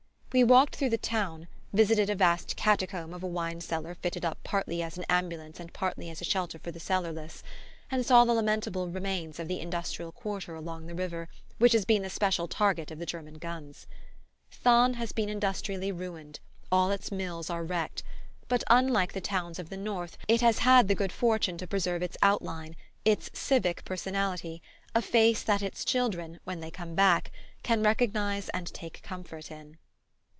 We walked through the town, visited a vast catacomb of a wine cellar fitted up partly as an ambulance and partly as a shelter for the cellarless, and saw the lamentable remains of the industrial quarter along the river, which has been the special target of the German guns. Thann has been industrially ruined, all its mills are wrecked; but unlike the towns of the north it has had the good fortune to preserve its outline, its civic personality, a face that its children, when they come back, can recognize and take comfort in.